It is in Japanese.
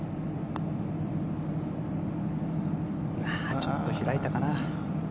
ちょっと開いたかな。